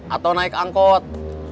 atau naik angkot